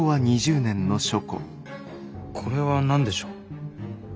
これは何でしょう？